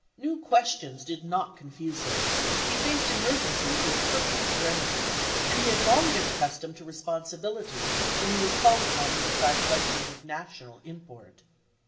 New questions did not confuse him; he faced emergencies with perfect serenity, and he had long been accustomed to responsibility when he was called upon to decide questions of national import.